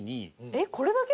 えっこれだけ？